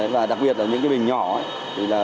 và đặc biệt là những cái bình nhỏ thì là